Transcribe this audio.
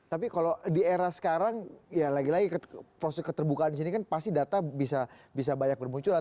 tapi kalau di era sekarang ya lagi lagi proses keterbukaan di sini kan pasti data bisa banyak bermunculan